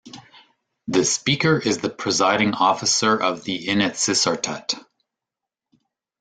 The speaker is the presiding officer of the Inatsisartut.